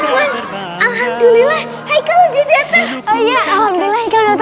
eh tapi kayaknya ada yang beda deh